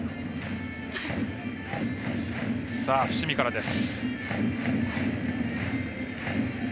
伏見からです。